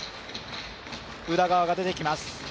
宇田川が出てきます。